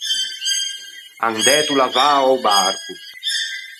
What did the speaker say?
An dæto l’avao a-o barco.